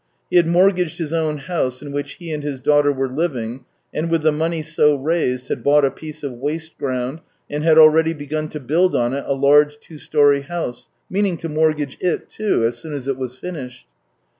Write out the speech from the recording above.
He had mort gaged his own house in which he and his daughter were living, and with the money so raised had bought a piece of waste ground, and had already begun to build on it a large two storey house, meaning to mortgage it, too, as soon as it was finished.